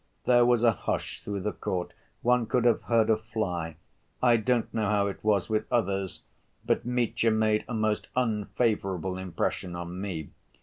There was a hush through the court. One could have heard a fly. I don't know how it was with others, but Mitya made a most unfavorable impression on me.